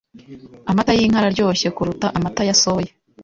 Amata y'inka araryoshye kuruta amata ya soya.